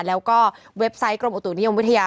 แล้วก็เว็บไซต์กรมอุตุนิยมวิทยา